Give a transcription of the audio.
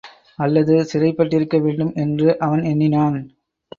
அல்லது சிறைப்பட்டிருக்க வேண்டும் என்று அவன் எண்ணினான்.